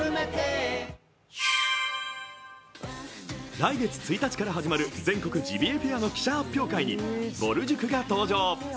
来月１日から始まる全国ジビエフェアの記者発表会にぼる塾が登場。